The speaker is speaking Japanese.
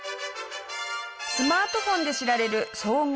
スマートフォンで知られるおお！